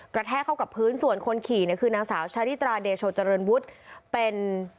แทกเข้ากับพื้นส่วนคนขี่เนี่ยคือนางสาวชาริตราเดโชเจริญวุฒิเป็น